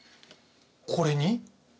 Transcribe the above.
これに？